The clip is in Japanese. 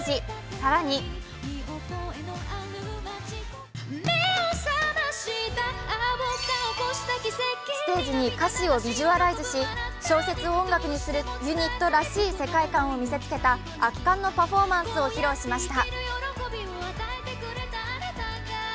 更にステージに歌詞をビジュアライズし、小説を音楽にするユニットらしい世界観を見せつけた圧巻のパフォーマンスを披露しました。